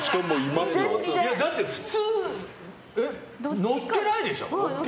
だって、普通のっけないでしょ！